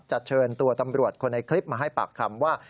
เชิญตัวตำรวจคนในคลิปมาให้ปากคำว่า